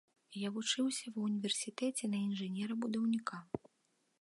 Я вучыўся ва ўніверсітэце на інжынера-будаўніка.